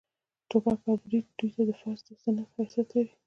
ټوپک او برېت دوى ته د فرض و سنت حيثيت لري.